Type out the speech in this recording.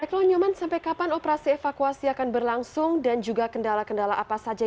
eko nyoman sampai kapan operasi evakuasi akan berlangsung dan juga kendala kendala apa saja